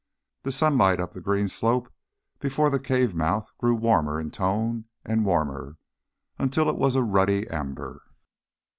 The sunlight up the green slope before the cave mouth grew warmer in tone and warmer, until it was a ruddy amber.